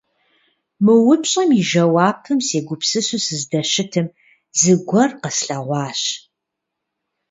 Мы упщӀэм и жэуапым сегупсысу сыздэщытым, зыгуэр къэслъэгъуащ.